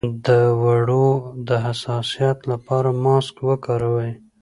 د دوړو د حساسیت لپاره ماسک وکاروئ